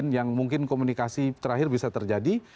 yang mungkin komunikasi terakhir bisa terjadi